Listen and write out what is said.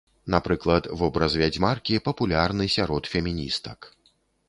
Напрыклад, вобраз вядзьмаркі папулярны сярод феміністак.